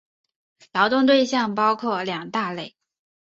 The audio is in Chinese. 劳动对象包括两大类。